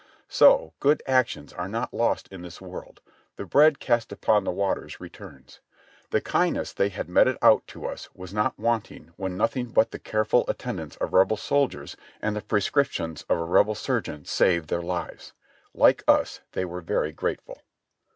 So, good actions are not lost in this world ; the bread cast upon the waters returns. The kindness they had meted out to us was not wanting when nothing but the careful attendance of Rebel soldiers and the prescriptions of a Rebel surgeon saved their lives. Like us, they were very grateful.